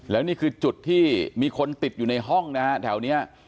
แล้วนี่คือจุดที่มีคนติดอยู่ในห้องนะฮะแถวนี้